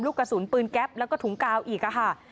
กระสุนปืนแก๊ปแล้วก็ถุงกาวอีกค่ะ